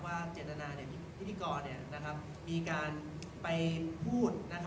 ว่าเจริญนาเนี่ยพิธีกรเนี่ยนะครับมีการไปพูดนะครับ